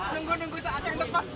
nunggu nunggu saat yang tepat